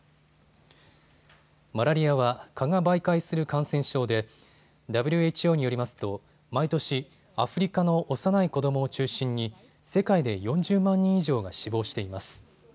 マラリアは蚊が媒介する感染症でＷＨＯによりますと毎年、アフリカの幼い子どもを中心に世界で４０万人以上が死亡しています。